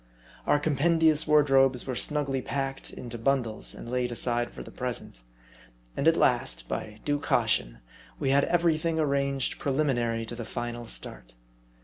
Our compendious wardrobes were snugly packed into bun dles and laid aside for the present. And at last, by due caution, we had every thing arranged preliminary to the final start.